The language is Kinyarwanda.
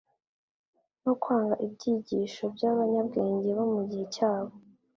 no kwanga ibyigisho by'abanyabwenge bo mu gihe cyabo.